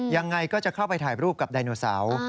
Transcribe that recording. ยังไงก็จะเข้าไปถ่ายรูปกับไดโนเสาร์